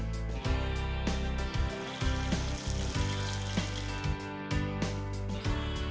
terima kasih dimas